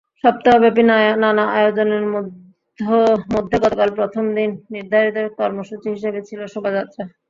সপ্তাহব্যাপী নানা আয়োজনের মধ্যে গতকাল প্রথম দিন নির্ধারিত কর্মসূচি হিসেবে ছিল শোভাযাত্রা।